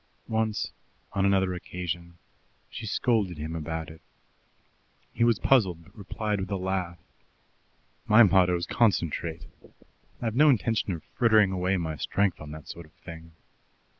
Once on another occasion she scolded him about it. He was puzzled, but replied with a laugh: "My motto is Concentrate. I've no intention of frittering away my strength on that sort of thing."